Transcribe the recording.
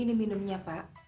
ini minumnya pak